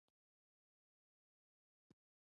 ځمکنی شکل د افغانستان د جغرافیې یوه خورا غوره بېلګه ده.